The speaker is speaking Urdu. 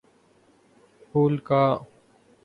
پھول کا